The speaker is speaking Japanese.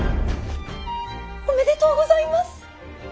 おめでとうございます！